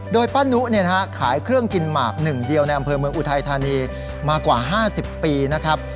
โดยป้านุขายเครื่องกินหมากหนึ่งเดียวในอำเภอเมืองอุทัยธานีมากว่า๕๐ปีนะครับ